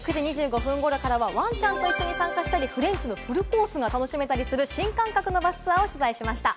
そして９時２５分ごろからは、わんちゃんと一緒に参加したり、フレンチのフルコースが楽しめたりする新感覚のバスツアーを取材しました。